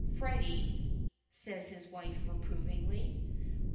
"Freddy," says his wife, reprovingly.